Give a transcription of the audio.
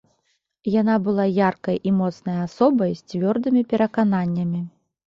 Яна была яркай і моцнай асобай з цвёрдымі перакананнямі.